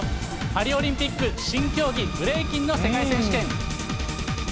パリオリンピック新競技、ブレイキンの世界選手権。